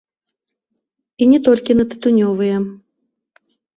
І не толькі на тытунёвыя.